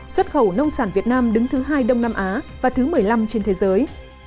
xuất khẩu nông sản việt nam đứng thứ hai đông nam á và thứ một mươi năm trên thế giới